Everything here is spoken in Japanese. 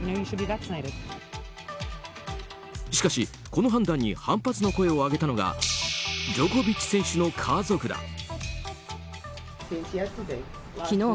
しかし、この判断に反発の声を上げたのがジョコビッチ選手の家族だ。